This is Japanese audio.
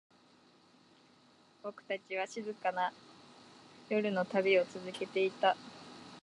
僕たちは、静かな夜の旅を続けていた。